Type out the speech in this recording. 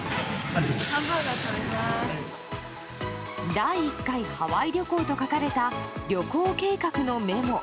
第１回ハワイ旅行と書かれた旅行計画のメモ。